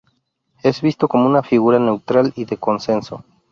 Es visto como una figura neutral y de consenso.